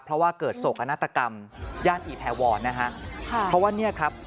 เพราะว่าเกิดโศกนาฏกรรมย่านอีแทวรนะฮะค่ะเพราะว่าเนี่ยครับ